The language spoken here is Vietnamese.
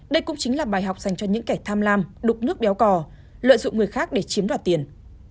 đây cũng chính là bài học dành cho những kẻ tham lam đục nước béo cò lợi dụng người khác để chiếm đoạt tiền